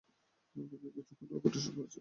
তবে কিছু ক্ষুদ্র কুটির শিল্প ও হস্তশিল্প রয়েছে।